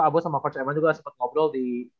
abu sama coach eman juga sempat ngobrol di